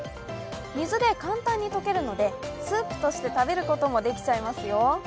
水で簡単に溶けるのでスープとして食べることもできちゃいますよ。